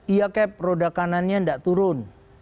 iya cap roda kanannya tidak turun